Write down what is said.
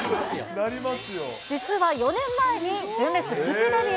実は４年前に純烈プチデビュー。